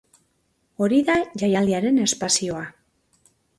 Hori da jaialdiaren espazioa.